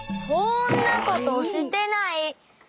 そんなことしてない！